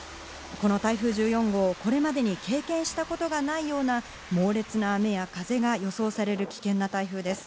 この台風１４号、これまでに経験したことがないような猛烈な雨や風が予想される危険な台風です。